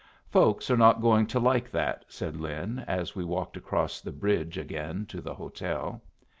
"Folks are not going to like that," said Lin, as we walked across the bridge again to the hotel.